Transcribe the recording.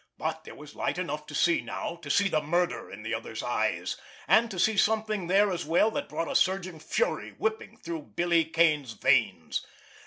But there was light enough to see now—to see the murder in the other's eyes—and to see something there as well that brought a surging fury whipping through Billy Kane's veins.